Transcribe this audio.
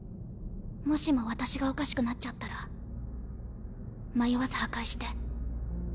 もしも私がおかしくなっちゃったら迷わず破壊して。